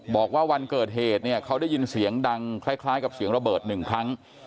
บอกว่าวันเกิดเหตุเนี่ยเขาได้ยินเสียงดังคล้ายกับเสียงระเบิดหนึ่งครั้ง